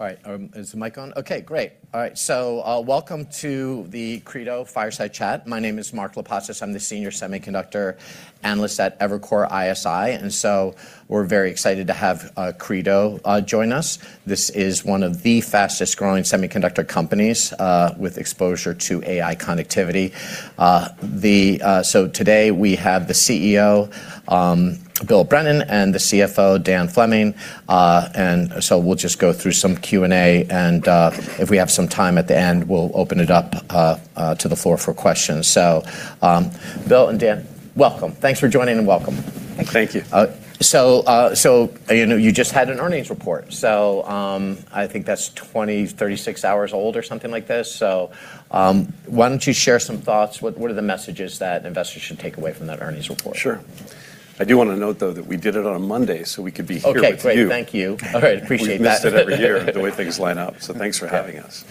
All right. Is the mic on? Okay, great. All right. Welcome to the Credo Fireside Chat. My name is Mark Lipacis. I'm the senior semiconductor analyst at Evercore ISI. We're very excited to have Credo join us. This is one of the fastest-growing semiconductor companies with exposure to AI connectivity. Today we have the CEO, Bill Brennan, and the CFO, Dan Fleming. We'll just go through some Q&A, and if we have some time at the end, we'll open it up to the floor for questions. Bill and Dan, welcome. Thanks for joining and welcome. Thank you. Thank you. You just had an earnings report. I think that's 20, 36 hours old or something like this. Why don't you share some thoughts? What are the messages that investors should take away from that earnings report? Sure. I do want to note, though, that we did it on a Monday so we could be here with you. Okay, great. Thank you. All right. Appreciate that. We missed it every year, the way things line up. Thanks for having us.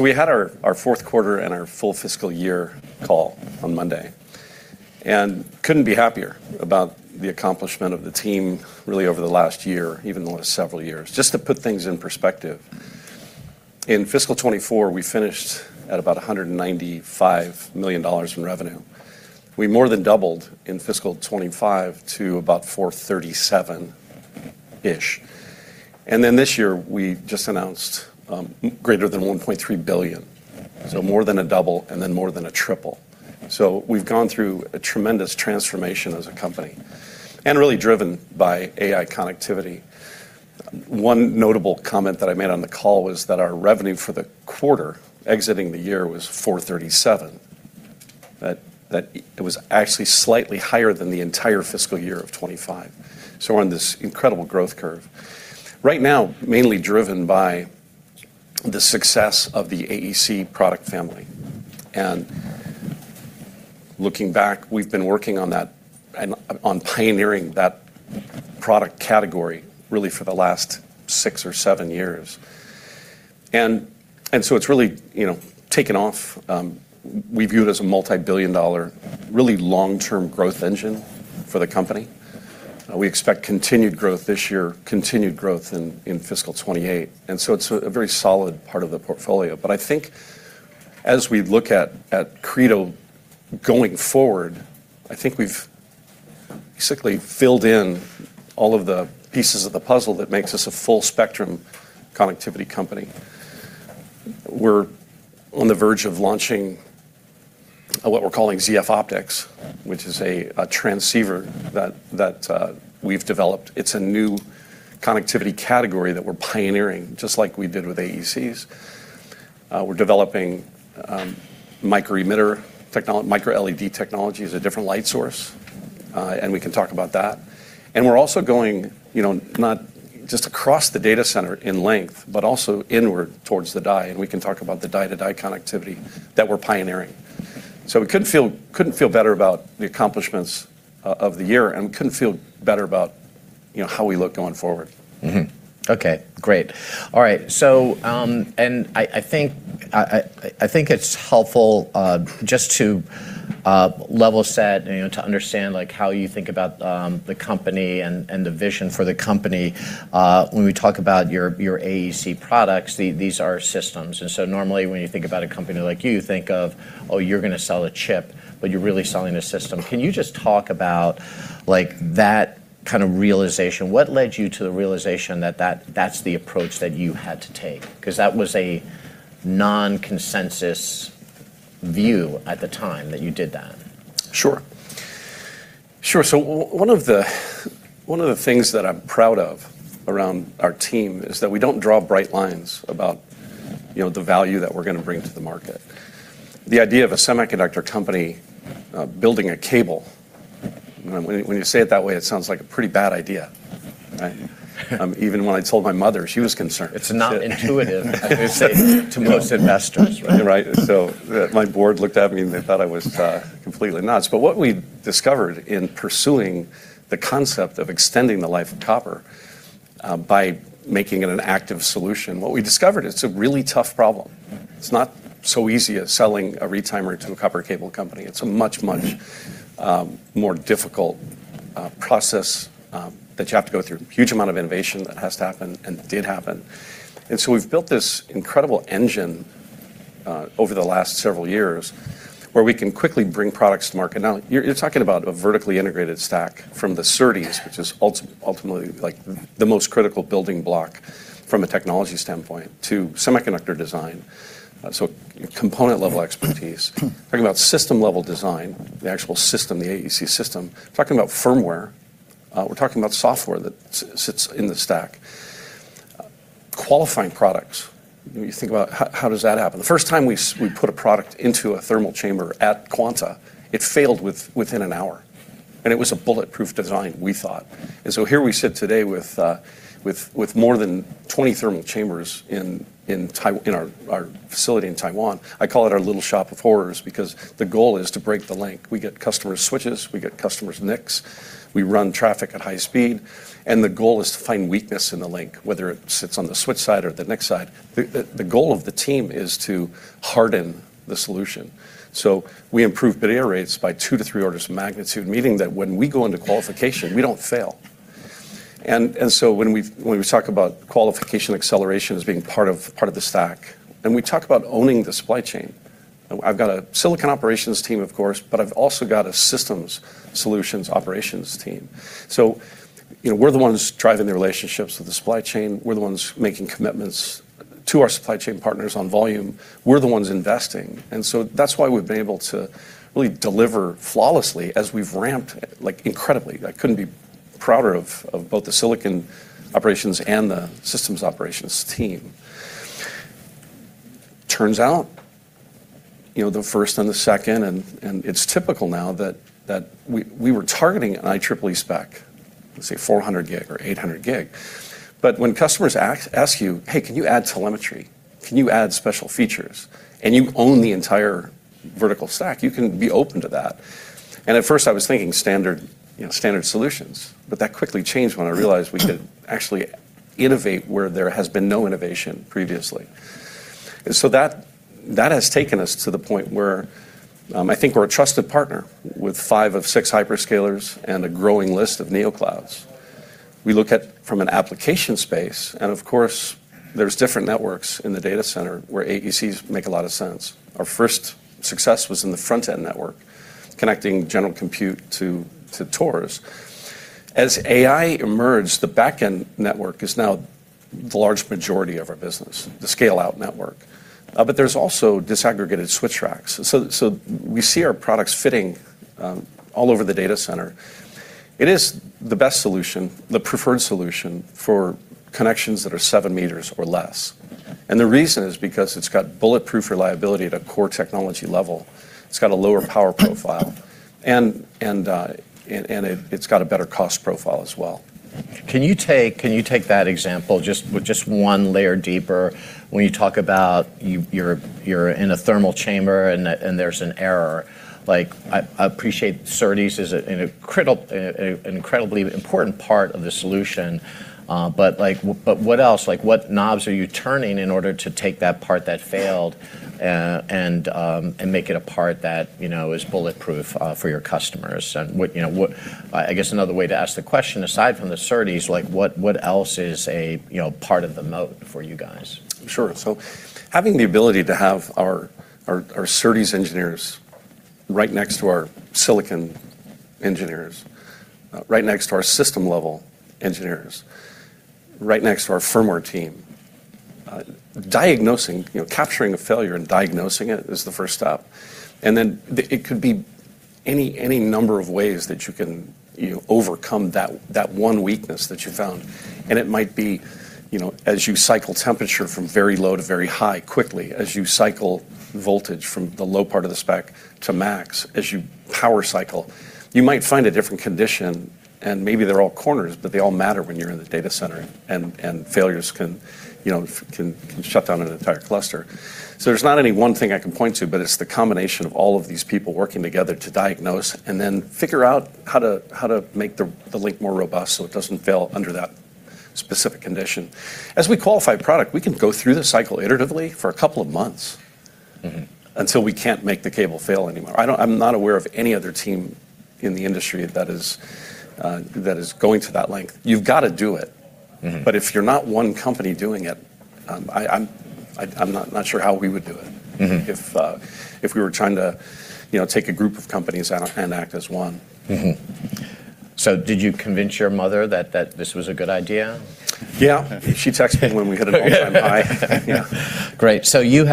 We had our fourth quarter and our full fiscal year call on Monday, and couldn't be happier about the accomplishment of the team really over the last year, even the last several years. Just to put things in perspective, in FY 2024, we finished at about $195 million in revenue. We more than doubled in FY 2025 to about $437 million-ish. This year we just announced greater than $1.3 billion. More than a double and then more than a triple. We've gone through a tremendous transformation as a company, and really driven by AI connectivity. One notable comment that I made on the call was that our revenue for the quarter exiting the year was $437 million. That it was actually slightly higher than the entire fiscal year of 2025. We're on this incredible growth curve. Right now, mainly driven by the success of the AEC product family. Looking back, we've been working on that and on pioneering that product category really for the last six or seven years. It's really taken off. We view it as a multibillion-dollar, really long-term growth engine for the company. We expect continued growth this year, continued growth in FY 2028. It's a very solid part of the portfolio. I think as we look at Credo going forward, I think we've basically filled in all of the pieces of the puzzle that makes us a full-spectrum connectivity company. We're on the verge of launching what we're calling ZF Optics, which is a transceiver that we've developed. It's a new connectivity category that we're pioneering, just like we did with AECs. We're developing micro-emitter technology, microLED technology as a different light source, and we can talk about that. We're also going, not just across the data center in length, but also inward towards the die, and we can talk about the die-to-die connectivity that we're pioneering. We couldn't feel better about the accomplishments of the year, and we couldn't feel better about how we look going forward. Okay, great. All right. I think it's helpful just to level set and to understand how you think about the company and the vision for the company. When we talk about your AEC products, these are systems. Normally when you think about a company like you think of, oh, you're going to sell a chip, but you're really selling a system. Can you just talk about that kind of realization? What led you to the realization that that's the approach that you had to take? Because that was a non-consensus view at the time that you did that. Sure. Sure. One of the things that I'm proud of around our team is that we don't draw bright lines about the value that we're going to bring to the market. The idea of a semiconductor company building a cable, when you say it that way, it sounds like a pretty bad idea, right? Even when I told my mother, she was concerned.It's not intuitive, I would say to most investors, right? Right. My board looked at me, and they thought I was completely nuts. What we discovered in pursuing the concept of extending the life of copper by making it an active solution, what we discovered, it's a really tough problem. It's not so easy as selling a retimer to a copper cable company. It's a much more difficult process that you have to go through. Huge amount of innovation that has to happen and did happen. We've built this incredible engine over the last several years where we can quickly bring products to market. Now, you're talking about a vertically integrated stack from the SerDes, which is ultimately the most critical building block from a technology standpoint, to semiconductor design. Component-level expertise. Talking about system-level design, the actual system, the AEC system. Talking about firmware. We're talking about software that sits in the stack. Qualifying products. When you think about how does that happen? The first time we put a product into a thermal chamber at Quanta, it failed within an hour, and it was a bulletproof design, we thought. Here we sit today with more than 20 thermal chambers in our facility in Taiwan. I call it our little shop of horrors because the goal is to break the link. We get customers' switches. We get customers' NICs. We run traffic at high speed, and the goal is to find weakness in the link, whether it sits on the switch side or the NIC side. The goal of the team is to harden the solution. We improve bit error rates by two to three orders of magnitude, meaning that when we go into qualification, we don't fail. When we talk about qualification acceleration as being part of the stack, and we talk about owning the supply chain. I've got a silicon operations team, of course, but I've also got a systems solutions operations team. We're the ones driving the relationships with the supply chain. We're the ones making commitments to our supply chain partners on volume. We're the ones investing. That's why we've been able to really deliver flawlessly as we've ramped, incredibly. I couldn't be prouder of both the silicon operations and the systems operations team. Turns out, the first and the second, and it's typical now that we were targeting an IEEE spec, let's say 400 gig or 800 gig. When customers ask you, "Hey, can you add telemetry? Can you add special features?" You own the entire vertical stack, you can be open to that. At first I was thinking standard solutions. That quickly changed when I realized we could actually innovate where there has been no innovation previously. That has taken us to the point where I think we're a trusted partner with five of six hyperscalers and a growing list of Neoclouds. We look at from an application space, of course, there's different networks in the data center where AECs make a lot of sense. Our first success was in the front-end network, connecting general compute to ToR. As AI emerged, the back-end network is now the large majority of our business, the scale-out network. There's also disaggregated switch racks. We see our products fitting all over the data center. It is the best solution, the preferred solution for connections that are seven meters or less. The reason is because it's got bulletproof reliability at a core technology level. It's got a lower power profile. It's got a better cost profile as well. Can you take that example just one layer deeper when you talk about you're in a thermal chamber and there's an error. I appreciate SerDes as an incredibly important part of the solution. What else? What knobs are you turning in order to take that part that failed, and make it a part that is bulletproof for your customers? Another way to ask the question, aside from the SerDes, what else is a part of the moat for you guys? Having the ability to have our SerDes engineers right next to our silicon engineers, right next to our system-level engineers, right next to our firmware team. Diagnosing, capturing a failure and diagnosing it is the first step. Then it could be any number of ways that you can overcome that one weakness that you found. It might be, as you cycle temperature from very low to very high quickly, as you cycle voltage from the low part of the spec to max, as you power cycle. You might find a different condition, and maybe they're all corners, but they all matter when you're in the data center, and failures can shut down an entire cluster. There's not any one thing I can point to, but it's the combination of all of these people working together to diagnose and then figure out how to make the link more robust so it doesn't fail under that specific condition. As we qualify product, we can go through this cycle iteratively for a couple of months. until we can't make the cable fail anymore. I'm not aware of any other team in the industry that is going to that length. You've got to do it. If you're not one company doing it, I'm not sure how we would do it. If we were trying to take a group of companies and act as one. Did you convince your mother that this was a good idea? Yeah. She texts me when we hit an all-time high. Yeah. Great. In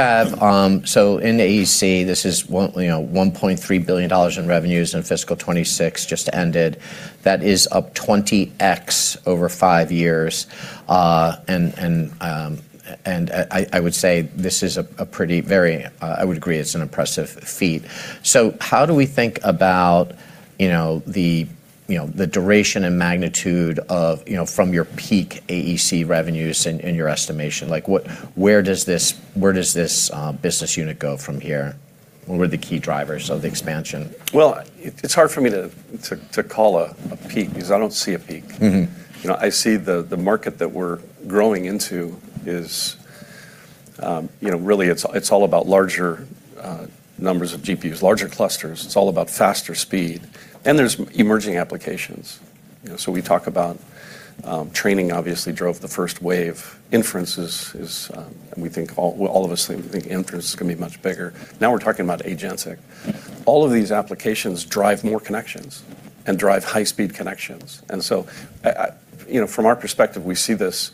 AEC, this is $1.3 billion in revenues in fiscal 2026 just ended. That is up 20x over five years. I would agree it's an impressive feat. How do we think about the duration and magnitude from your peak AEC revenues in your estimation? Where does this business unit go from here? What were the key drivers of the expansion? Well, it's hard for me to call a peak because I don't see a peak. I see the market that we're growing into is really, it's all about larger numbers of GPUs, larger clusters. It's all about faster speed. There's emerging applications. We talk about training obviously drove the first wave. All of us think inference is going to be much bigger. Now we're talking about agentic. All of these applications drive more connections and drive high-speed connections. From our perspective, we see this.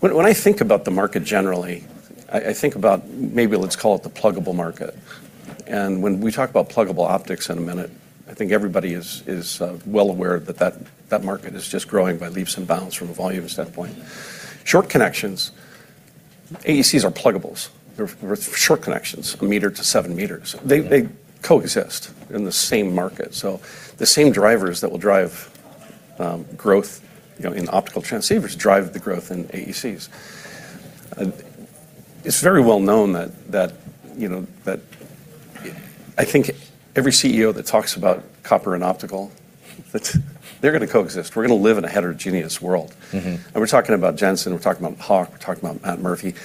When I think about the market generally, I think about maybe let's call it the pluggable market. When we talk about pluggable optics in a minute, I think everybody is well aware that that market is just growing by leaps and bounds from a volume standpoint. Short connections, AECs are pluggables. They're short connections, a meter to seven meters. They coexist in the same market. The same drivers that will drive growth in optical transceivers drive the growth in AECs. It's very well known that I think every CEO that talks about copper and optical, they're going to coexist. We're going to live in a heterogeneous world. We're talking about Jensen, we're talking about Hock, we're talking about Pat Gelsinger.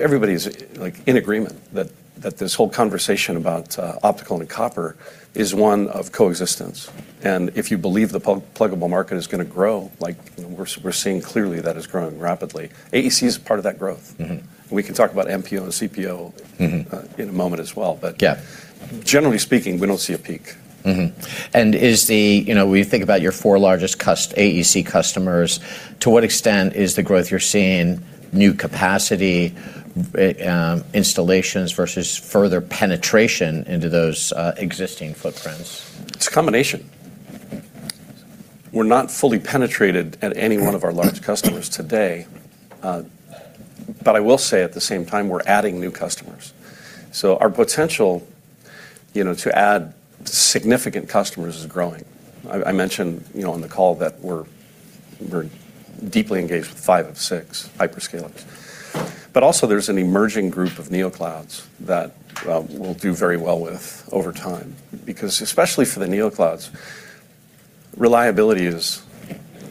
Everybody's in agreement that this whole conversation about optical and copper is one of coexistence. If you believe the pluggable market is going to grow, we're seeing clearly that it's growing rapidly. AEC is a part of that growth. We can talk about NPO and CPO. In a moment as well. Yeah. Generally speaking, we don't see a peak. When you think about your four largest AEC customers, to what extent is the growth you're seeing new capacity installations versus further penetration into those existing footprints? It's a combination. We're not fully penetrated at any one of our large customers today. I will say at the same time, we're adding new customers. Our potential to add significant customers is growing. I mentioned on the call that we're very deeply engaged with five of six hyperscalers. Also there's an emerging group of Neoclouds that we'll do very well with over time. Especially for the Neoclouds, reliability is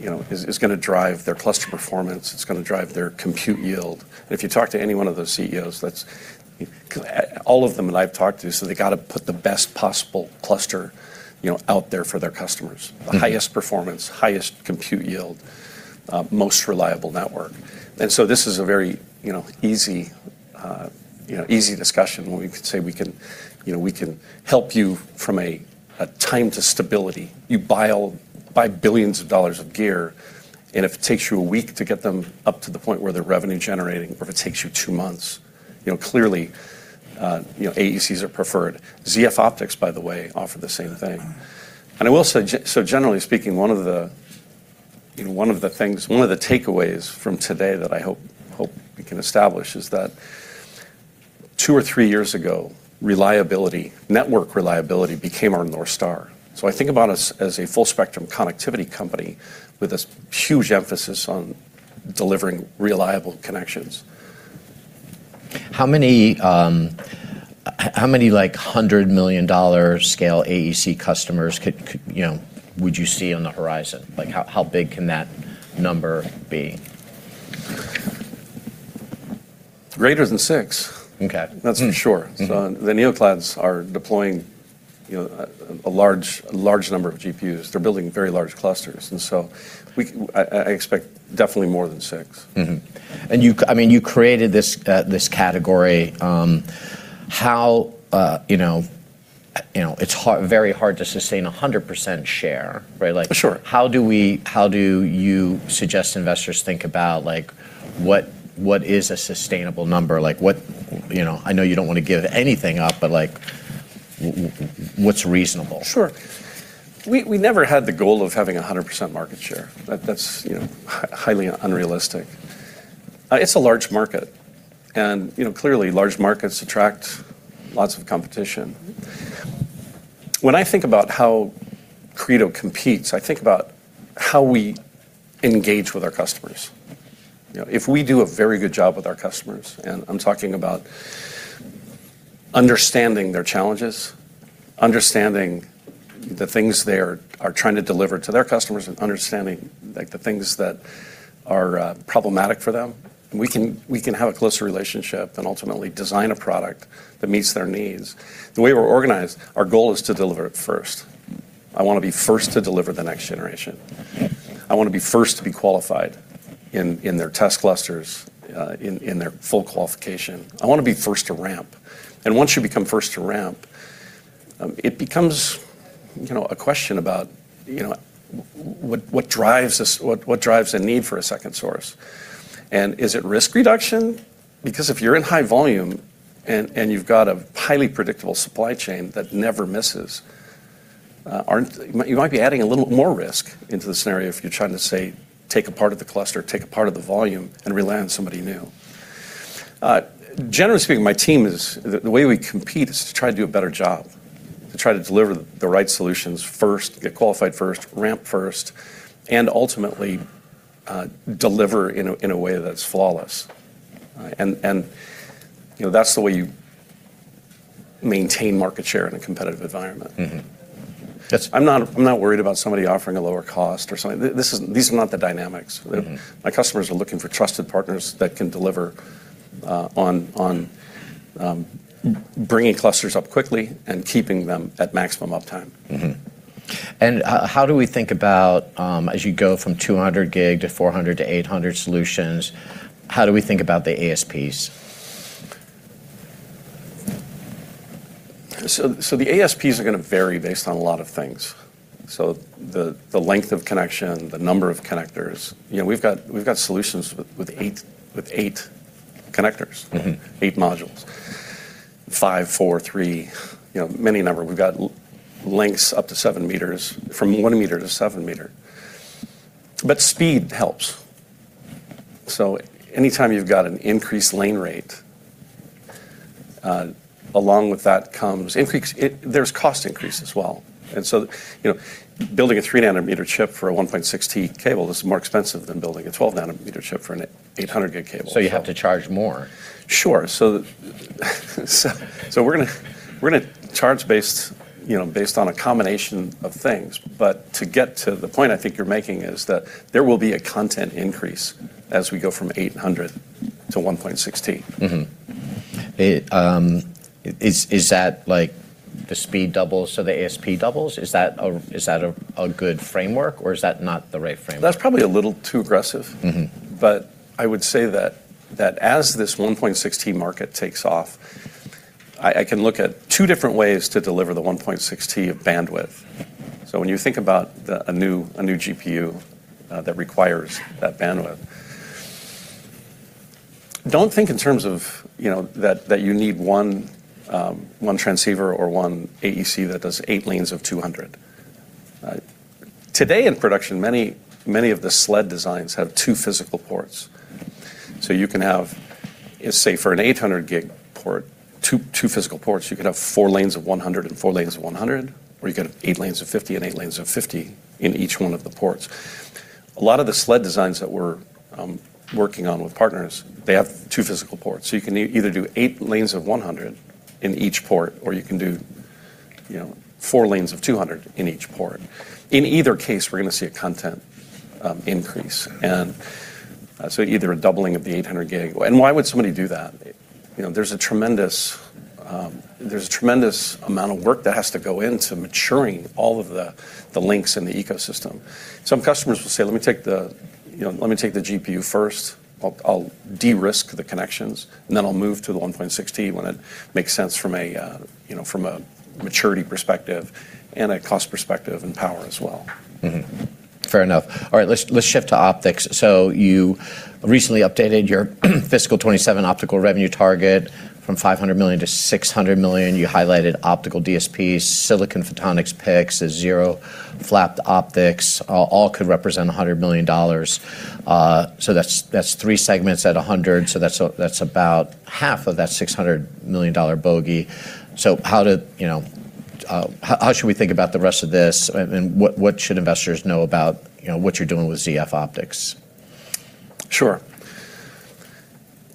going to drive their cluster performance, it's going to drive their compute yield. If you talk to any one of those CEOs, all of them that I've talked to say they got to put the best possible cluster out there for their customers. Highest performance, highest compute yield, most reliable network. This is a very easy discussion where we could say we can help you from a time to stability. You buy $ billions of gear, and if it takes you a week to get them up to the point where they're revenue generating, or if it takes you two months, clearly AECs are preferred. ZF Optics, by the way, offer the same thing. Generally speaking, one of the takeaways from today that I hope we can establish is that two or three years ago, reliability, network reliability became our North Star. I think about us as a full spectrum connectivity company with a huge emphasis on delivering reliable connections. How many $100 million scale AEC customers would you see on the horizon? How big can that number be? Greater than six. Okay. That's for sure. The NeoClouds are deploying a large number of GPUs. They're building very large clusters. I expect definitely more than six. You created this category. It's very hard to sustain 100% share, right? Sure. How do you suggest investors think about what is a sustainable number? I know you don't want to give anything up, but what's reasonable? Sure. We never had the goal of having 100% market share. That's highly unrealistic. It's a large market. Clearly large markets attract lots of competition. When I think about how Credo competes, I think about how we engage with our customers. If we do a very good job with our customers, and I'm talking about understanding their challenges, understanding the things they are trying to deliver to their customers, and understanding the things that are problematic for them, we can have a closer relationship and ultimately design a product that meets their needs. The way we're organized, our goal is to deliver it first. I want to be first to deliver the next generation. I want to be first to be qualified in their test clusters, in their full qualification. I want to be first to ramp. Once you become first to ramp, it becomes a question about what drives a need for a second source. Is it risk reduction? Because if you're in high volume and you've got a highly predictable supply chain that never misses, you might be adding a little more risk into the scenario if you're trying to, say, take a part of the cluster, take a part of the volume, and rely on somebody new. Generally speaking, my team, the way we compete is to try to do a better job, to try to deliver the right solutions first, get qualified first, ramp first, and ultimately deliver in a way that's flawless. That's the way you maintain market share in a competitive environment. I'm not worried about somebody offering a lower cost or something. These are not the dynamics. My customers are looking for trusted partners that can deliver on bringing clusters up quickly and keeping them at maximum uptime. How do we think about, as you go from 200 gig to 400-800 solutions, how do we think about the ASPs? The ASPs are going to vary based on a lot of things. The length of connection, the number of connectors. We've got solutions with eight connectors. Eight modules. Five, four, three, many a number. We've got lengths up to seven meters, from one meter to seven meter. Speed helps. Any time you've got an increased lane rate, along with that comes cost increase as well. Building a three nanometer chip for a 1.6T cable is more expensive than building a 12 nanometer chip for an 800 gig cable. You have to charge more. Sure. We're going to charge based on a combination of things. To get to the point I think you're making is that there will be a content increase as we go from 800 to 1.6T. Mm-hmm. Is that like the speed doubles, so the ASP doubles? Is that a good framework or is that not the right framework? That's probably a little too aggressive. I would say that as this 1.6T market takes off, I can look at two different ways to deliver the 1.6T bandwidth. When you think about a new GPU that requires that bandwidth, don't think in terms of that you need one transceiver or one AEC that does eight lanes of 200. Today in production, many of the sled designs have two physical ports. You can have, say for an 800 gig port, two physical ports. You could have four lanes of 100 and four lanes of 100, or you could have eight lanes of 50 and eight lanes of 50 in each one of the ports. A lot of the sled designs that we're working on with partners, they have two physical ports. You can either do eight lanes of 100 in each port, or you can do four lanes of 200 in each port. In either case, we're going to see a content increase, and so either a doubling of the 800 gig. Why would somebody do that? There's a tremendous amount of work that has to go into maturing all of the links in the ecosystem. Some customers will say, "Let me take the GPU first. I'll de-risk the connections, and then I'll move to the 1.6T when it makes sense from a maturity perspective and a cost perspective and power as well. Fair enough. All right. Let's shift to optics. You recently updated your FY 2027 optical revenue target from $500 million to $600 million. You highlighted optical DSPs, silicon photonics PICs, ZeroFlap optics, all could represent $100 million. That's three segments at 100. That's about half of that $600 million bogey. How should we think about the rest of this? What should investors know about what you're doing with ZF Optics? Sure.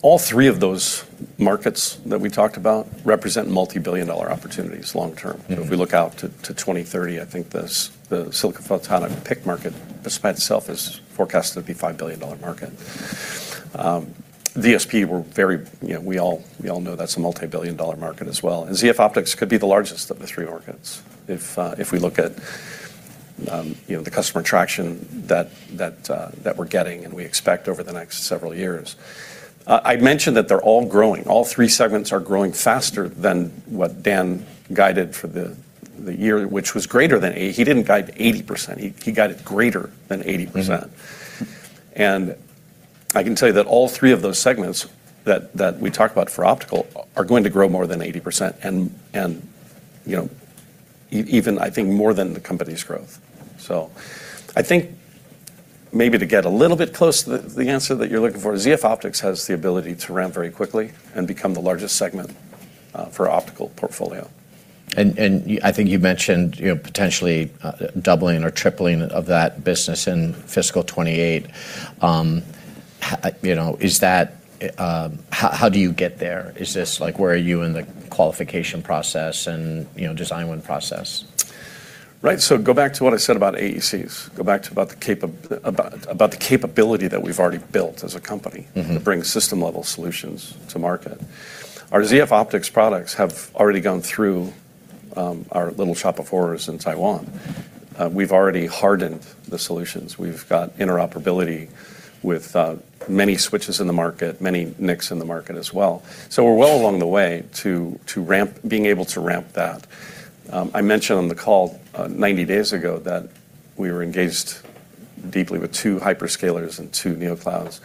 All three of those markets that we talked about represent multi-billion dollar opportunities long-term. If we look out to 2030, I think the silicon photonics PIC market by itself is forecasted to be a $5 billion market. DSP, we all know that's a multi-billion dollar market as well. ZF Optics could be the largest of the three markets if we look at the customer traction that we're getting and we expect over the next several years. I mentioned that they're all growing. All three segments are growing faster than what Dan guided for the year, which was greater than 80%. He didn't guide 80%, he guided greater than 80%. I can tell you that all three of those segments that we talked about for optical are going to grow more than 80% and even I think more than the company's growth. I think maybe to get a little bit close to the answer that you're looking for, ZF Optics has the ability to ramp very quickly and become the largest segment for optical portfolio. I think you mentioned potentially doubling or tripling of that business in fiscal 2028. How do you get there? Is this like where are you in the qualification process and design win process? Right. Go back to what I said about AECs. Go back to about the capability that we've already built as a company. to bring system-level solutions to market. Our ZF Optics products have already gone through our little shop of horrors in Taiwan. We've already hardened the solutions. We've got interoperability with many switches in the market, many NICs in the market as well. We're well along the way to being able to ramp that. I mentioned on the call 90 days ago that we were engaged deeply with two hyperscalers and two Neoclouds.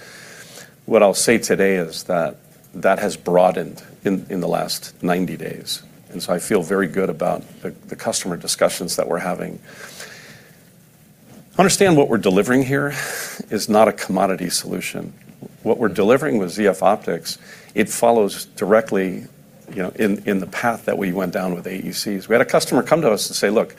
What I'll say today is that that has broadened in the last 90 days. I feel very good about the customer discussions that we're having. Understand what we're delivering here is not a commodity solution. What we're delivering with ZF Optics, it follows directly in the path that we went down with AECs. We had a customer come to us and say, "Look,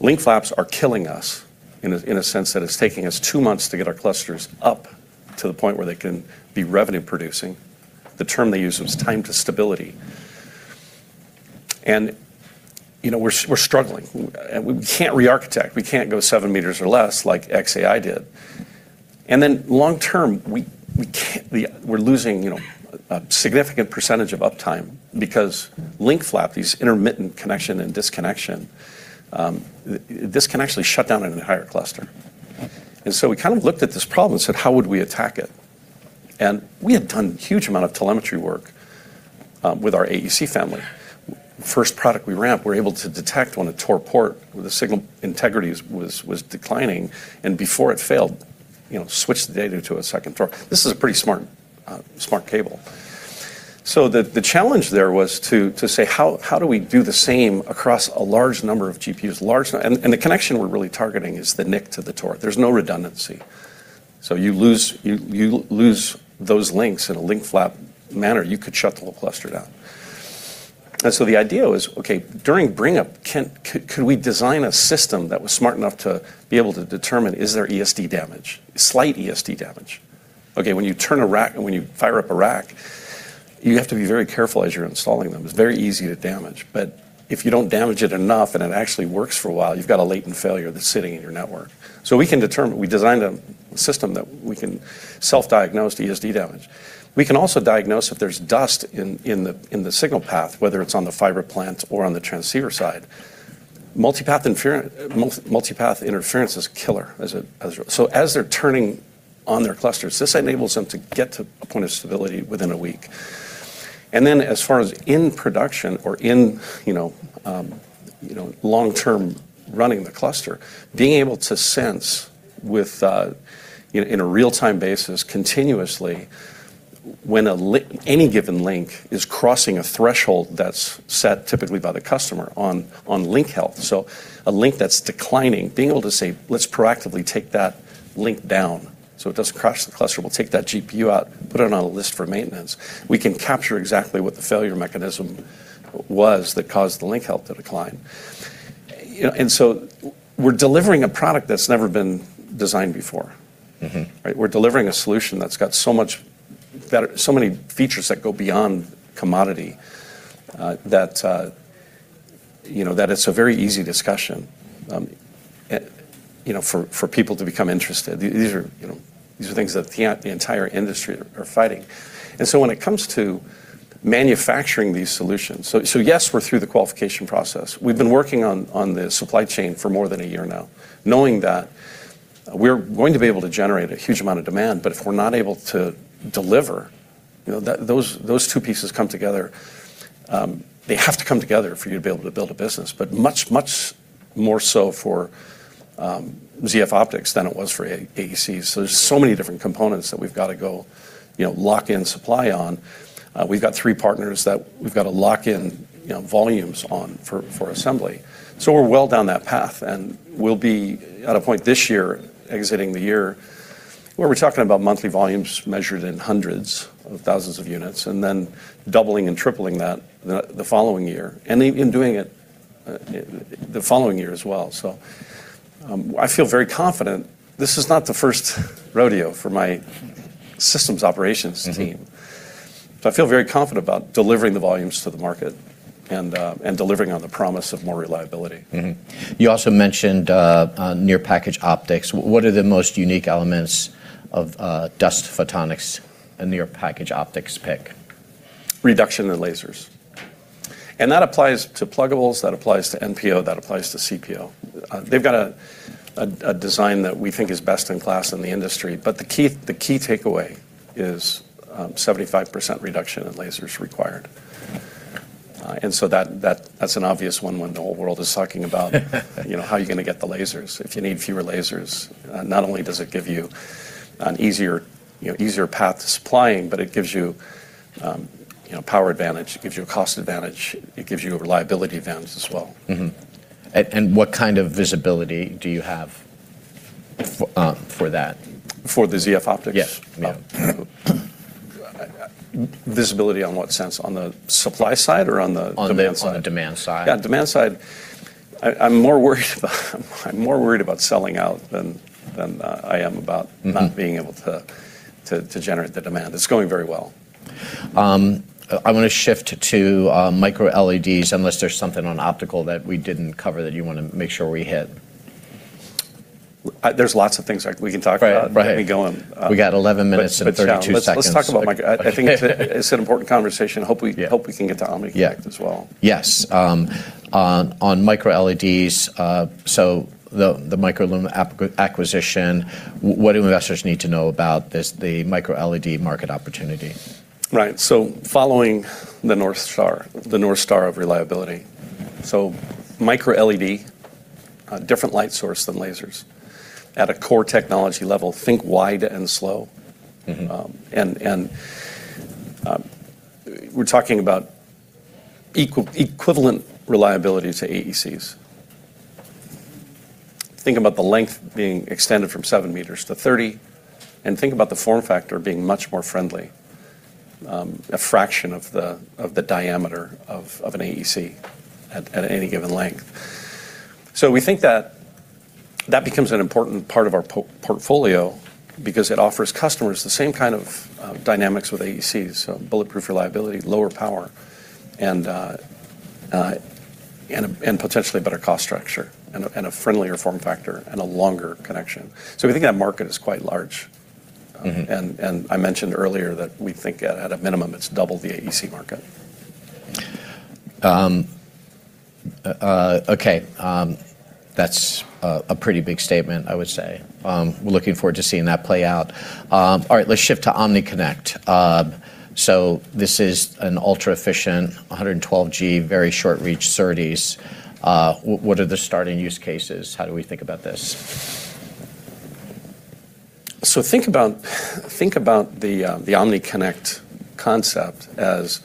link flaps are killing us in a sense that it's taking us two months to get our clusters up to the point where they can be revenue producing." The term they used was time to stability. "We're struggling. We can't rearchitect. We can't go seven meters or less like xAI did. Long term, we're losing a significant percentage of uptime because link flap, this intermittent connection and disconnection, this can actually shut down an entire cluster." We looked at this problem and said, "How would we attack it?" We had done a huge amount of telemetry work with our AEC family. First product we ramped, we were able to detect when a ToR port with a signal integrity was declining, and before it failed, switch the data to a second ToR. This is a pretty smart cable. The challenge there was to say, how do we do the same across a large number of GPUs? The connection we're really targeting is the NIC to the ToR. There's no redundancy. You lose those links in a link flap manner, you could shut the whole cluster down. The idea was, okay, during bring-up, could we design a system that was smart enough to be able to determine is there ESD damage, slight ESD damage? Okay. When you fire up a rack, you have to be very careful as you're installing them. It's very easy to damage, but if you don't damage it enough and it actually works for a while, you've got a latent failure that's sitting in your network. We designed a system that we can self-diagnose ESD damage. We can also diagnose if there's dust in the signal path, whether it's on the fiber plant or on the transceiver side. Multipath interference is killer. As they're turning on their clusters, this enables them to get to a point of stability within a week. As far as in production or in long-term running the cluster, being able to sense in a real-time basis continuously when any given link is crossing a threshold that's set typically by the customer on link health. A link that's declining, being able to say, "Let's proactively take that link down so it doesn't crash the cluster. We'll take that GPU out, put it on a list for maintenance." We can capture exactly what the failure mechanism was that caused the link health to decline. We're delivering a product that's never been designed before. Right? We're delivering a solution that's got so many features that go beyond commodity, that it's a very easy discussion for people to become interested. These are things that the entire industry are fighting. When it comes to manufacturing these solutions, yes, we're through the qualification process. We've been working on the supply chain for more than a year now, knowing that we're going to be able to generate a huge amount of demand, if we're not able to deliver, those two pieces come together. They have to come together for you to be able to build a business, but much more so for ZF Optics than it was for AEC. There's so many different components that we've got to go lock in supply on. We've got three partners that we've got to lock in volumes on for assembly. We're well down that path, and we'll be at a point this year, exiting the year, where we're talking about monthly volumes measured in hundreds of thousands of units, and then doubling and tripling that the following year. Even doing it the following year as well. I feel very confident. This is not the first rodeo for my systems operations team. I feel very confident about delivering the volumes to the market and delivering on the promise of more reliability. You also mentioned near package optics. What are the most unique elements of Dust Photonics and near package optics PIC? Reduction in lasers. That applies to pluggables, that applies to NPO, that applies to CPO. They've got a design that we think is best in class in the industry, but the key takeaway is 75% reduction in lasers required. That's an obvious one when the whole world is talking about how are you going to get the lasers if you need fewer lasers? Not only does it give you an easier path to supplying, but it gives you power advantage, it gives you a cost advantage, it gives you a reliability advantage as well. Mm-hmm. What kind of visibility do you have for that? For the ZF Optics? Yes. Visibility in what sense? On the supply side or on the demand side? On the demand side. Demand side. I'm more worried about selling out than I am about not being able to generate the demand. It's going very well. I want to shift to microLEDs, unless there's something on optical that we didn't cover that you want to make sure we hit. There's lots of things we can talk about. Right. Let me go and- We got 11 minutes and 32 seconds. Let's talk about micro. I think it's an important conversation. Hope we can get to OmniConnect as well. Yes. On microLEDs, the MicroLumen acquisition, what do investors need to know about the microLED market opportunity? Right. Following the North Star of reliability. MicroLED, different light source than lasers. At a core technology level, think wide and slow. We're talking about equivalent reliability to AECs. Think about the length being extended from seven meters to 30, and think about the form factor being much more friendly, a fraction of the diameter of an AEC at any given length. We think that that becomes an important part of our portfolio because it offers customers the same kind of dynamics with AECs, so bulletproof reliability, lower power, and potentially a better cost structure and a friendlier form factor and a longer connection. We think that market is quite large. I mentioned earlier that we think at a minimum, it's double the AEC market. Okay. That's a pretty big statement, I would say. We're looking forward to seeing that play out. All right, let's shift to OmniConnect. This is an ultra-efficient, 112G, very short reach SerDes. What are the starting use cases? How do we think about this? Think about the OmniConnect concept as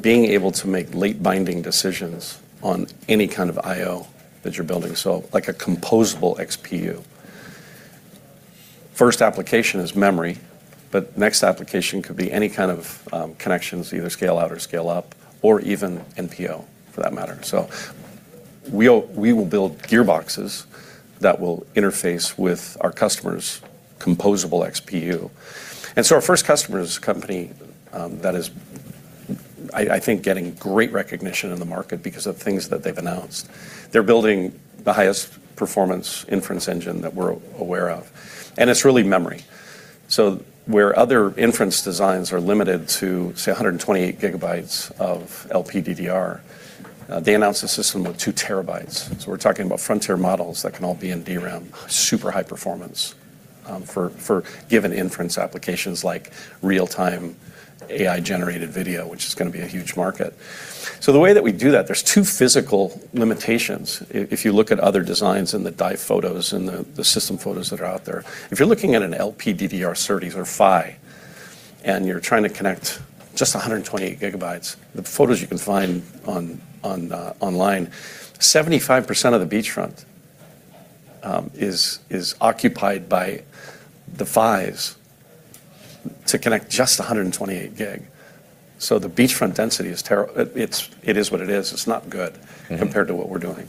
being able to make late binding decisions on any kind of IO that you're building. Like a composable XPU. First application is memory, but next application could be any kind of connections, either scale out or scale up, or even NPO for that matter. We will build gearboxes that will interface with our customers' composable XPU. Our first customer is a company that is, I think, getting great recognition in the market because of things that they've announced. They're building the highest performance inference engine that we're aware of, and it's really memory. Where other inference designs are limited to, say, 128 gigabytes of LPDDR, they announced a system of 2 TB. We're talking about frontier models that can all be in DRAM, super high performance, for given inference applications like real-time AI-generated video, which is going to be a huge market. The way that we do that, there's two physical limitations. If you look at other designs in the die photos and the system photos that are out there. If you're looking at an LPDDR SerDes or PHY, and you're trying to connect just 128 gigabytes, the photos you can find online, 75% of the beachfront is occupied by the PHYs to connect just 128 gig. The beachfront density, it is what it is. It's not good compared to what we're doing.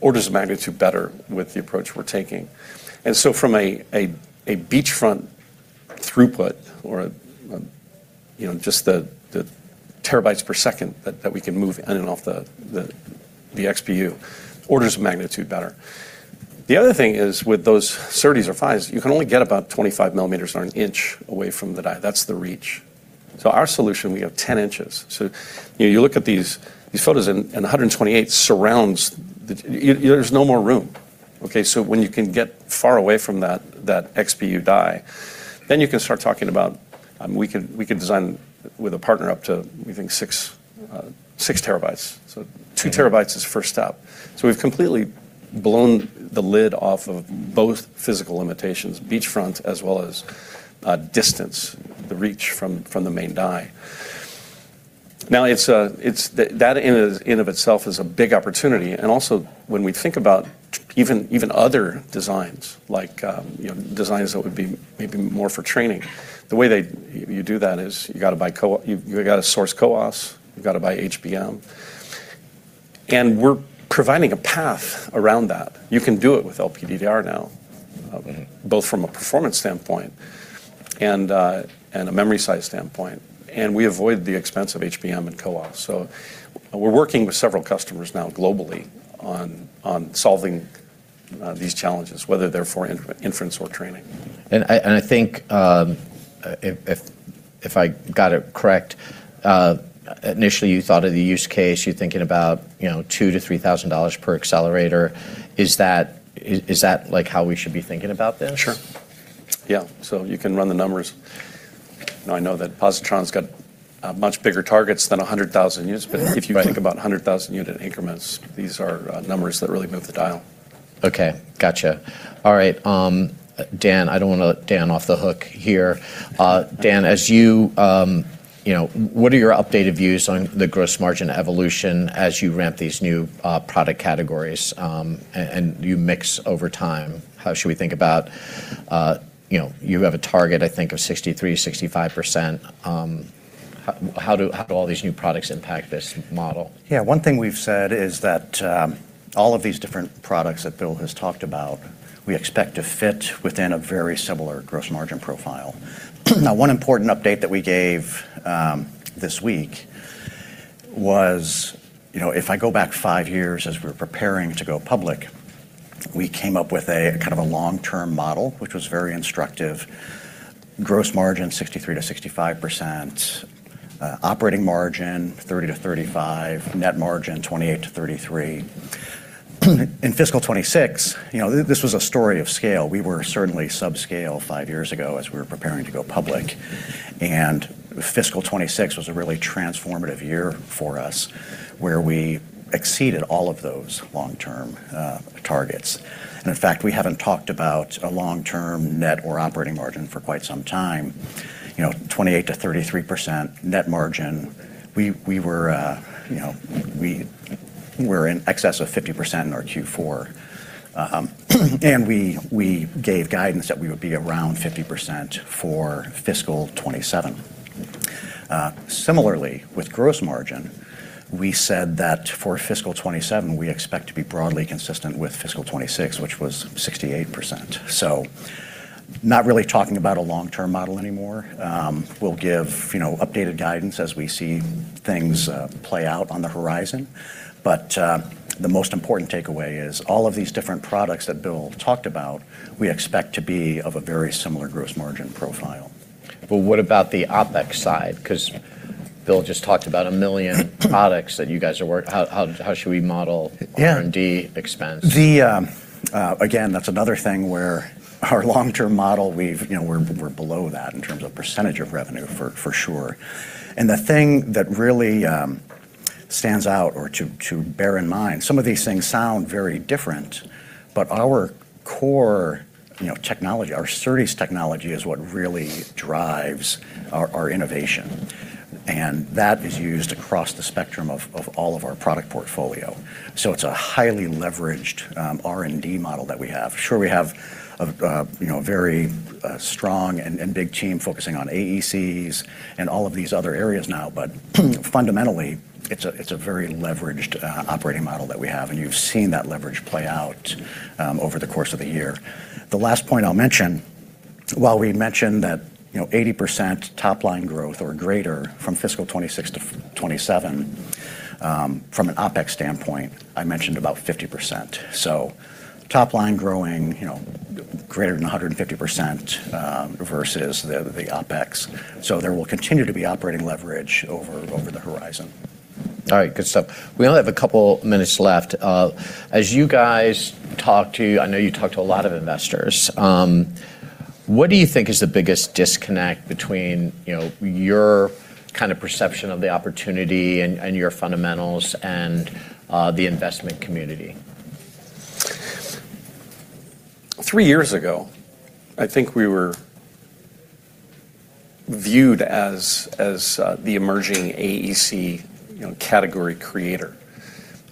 Orders of magnitude better with the approach we're taking. From a beachfront throughput or just the terabyte per second that we can move in and off the XPU, orders of magnitude better. The other thing is with those SerDes or PHY, you can only get about 25 millimeters or one inch away from the die. That's the reach. Our solution, we have 10 inches. You look at these photos and 128 surrounds. There's no more room. Okay. When you can get far away from that XPU die, then you can start talking about, we could design with a partner up to, we think 6 TB. 2 TB is first up. We've completely blown the lid off of both physical limitations, beachfront as well as distance, the reach from the main die. That in of itself is a big opportunity, and also when we think about even other designs, like designs that would be maybe more for training. The way that you do that is you've got to source CoWoS, you've got to buy HBM. We're providing a path around that. You can do it with LPDDR now, both from a performance standpoint and a memory size standpoint. We avoid the expense of HBM and CoWoS. We're working with several customers now globally on solving these challenges, whether they're for inference or training. I think, if I got it correct, initially you thought of the use case, you're thinking about $2,000 - $3,000 per accelerator. Is that how we should be thinking about this? Sure. Yeah. You can run the numbers. Now I know that Positron's got much bigger targets than 100,000 units. Yeah, right. If you think about 100,000 unit increments, these are numbers that really move the dial. Okay. Got you. All right. Dan, I don't want to let Dan off the hook here. Dan, what are your updated views on the gross margin evolution as you ramp these new product categories, and you mix over time? You have a target, I think, of 63%-65%. How do all these new products impact this model? Yeah, one thing we've said is that all of these different products that Bill has talked about, we expect to fit within a very similar gross margin profile. Now, one important update that we gave this week was, if I go back five years as we were preparing to go public, we came up with a kind of a long-term model, which was very instructive. Gross margin, 63%-65%, operating margin, 30%-35%, net margin, 28%-33%. In FY 2026, this was a story of scale. We were certainly subscale five years ago as we were preparing to go public, FY 2026 was a really transformative year for us, where we exceeded all of those long-term targets. In fact, we haven't talked about a long-term net or operating margin for quite some time. 28%-33% net margin. We were in excess of 50% in our Q4. We gave guidance that we would be around 50% for fiscal 2027. Similarly, with gross margin, we said that for fiscal 2027, we expect to be broadly consistent with fiscal 2026, which was 68%. Not really talking about a long-term model anymore. We'll give updated guidance as we see things play out on the horizon. The most important takeaway is all of these different products that Bill talked about, we expect to be of a very similar gross margin profile. What about the OpEx side? Bill just talked about a million products that you guys are. How should we model? Yeah R&D expense? That's another thing where our long-term model, we're below that in terms of percentage of revenue, for sure. The thing that really stands out or to bear in mind, some of these things sound very different, but our core technology, our SerDes technology is what really drives our innovation. That is used across the spectrum of all of our product portfolio. It's a highly leveraged R&D model that we have. Sure, we have a very strong and big team focusing on AECs and all of these other areas now, but fundamentally it's a very leveraged operating model that we have, and you've seen that leverage play out over the course of the year. The last point I'll mention, while we mentioned that 80% top-line growth or greater from fiscal 2026 to 2027, from an OpEx standpoint, I mentioned about 50%. Top line growing greater than 150% versus the OpEx. There will continue to be operating leverage over the horizon. All right. Good stuff. We only have a couple of minutes left. As you guys talk to, I know you talk to a lot of investors, what do you think is the biggest disconnect between your kind of perception of the opportunity and your fundamentals and the investment community? Three years ago, I think we were viewed as the emerging AEC category creator.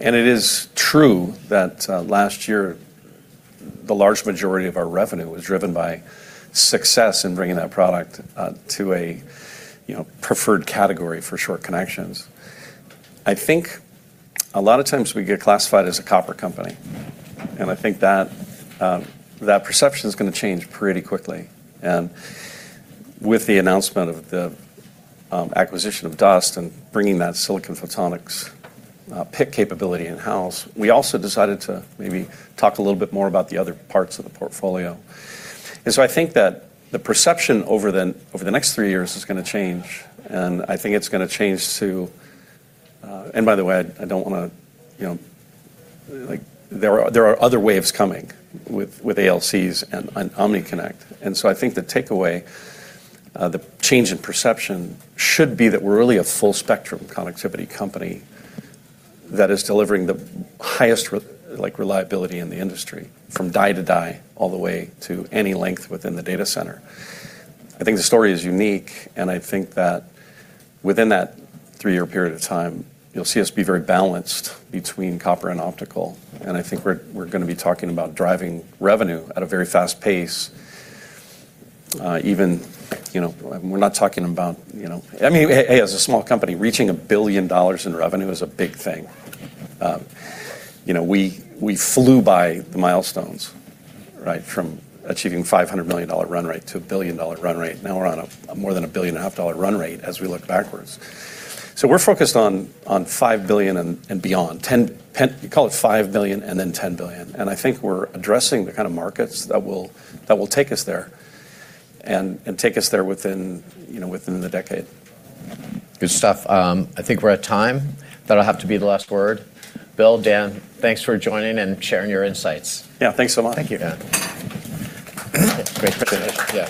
It is true that last year, the large majority of our revenue was driven by success in bringing that product to a preferred category for short connections. I think a lot of times we get classified as a copper company, I think that perception's going to change pretty quickly. With the announcement of the acquisition of Dust and bringing that silicon photonics PIC capability in-house, we also decided to maybe talk a little bit more about the other parts of the portfolio. I think that the perception over the next three years is going to change. I think it's going to change. There are other waves coming with AECs and OmniConnect. I think the takeaway, the change in perception should be that we're really a full-spectrum connectivity company that is delivering the highest reliability in the industry, from die-to-die, all the way to any length within the data center. I think the story is unique, and I think that within that three-year period of time, you'll see us be very balanced between copper and optical. I think we're going to be talking about driving revenue at a very fast pace, even as a small company, reaching $1 billion in revenue is a big thing. We flew by the milestones from achieving $500 million run rate to a billion-dollar run rate. Now we're on a more than a billion and a half dollar run rate as we look backwards. We're focused on $5 billion and beyond. Call it $5 billion, and then $10 billion. I think we're addressing the kind of markets that will take us there and take us there within the decade. Good stuff. I think we're at time. That'll have to be the last word. Bill, Dan, thanks for joining and sharing your insights. Yeah, thanks a lot. Thank you. Yeah. Great presentation. Yeah.